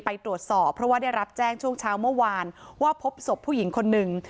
ไปตรวจสอบเพราะว่าได้รับแจ้งช่วงเช้าเมื่อวานว่าพบศพผู้หญิงคนหนึ่ง